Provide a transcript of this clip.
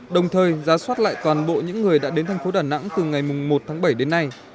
đồng thời giá soát lại toàn bộ những người đã đến thành phố đà nẵng từ ngày một tháng bảy đến nay